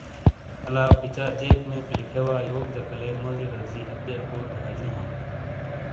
الا پچا جیک میک لکھے وا یوک جکالے موڙی رزی اکی اکوٹے ہجوں ہوں ۔